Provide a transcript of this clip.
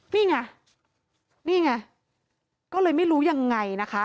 นี่ไงนี่ไงก็เลยไม่รู้ยังไงนะคะ